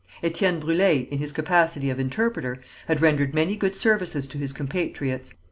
Étienne Brûlé, in his capacity of interpreter, had rendered many good services to his compatriots.